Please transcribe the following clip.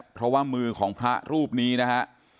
เพราะว่ามือของพระรูปนี้นะฮะ